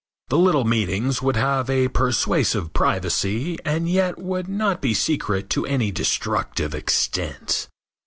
The little meetings would have a persuasive privacy, and yet they would not be secret to any destructive extent.